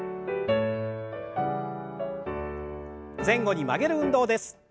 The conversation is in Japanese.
前後に曲げる運動です。